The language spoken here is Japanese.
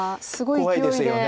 怖いですよね。